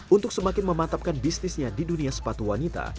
untuk semakin memantapkan bisnisnya di dunia sepatu wanita